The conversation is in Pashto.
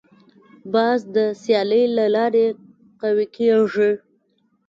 بازار د سیالۍ له لارې قوي کېږي.